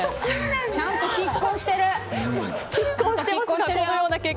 ちゃんと拮抗してる。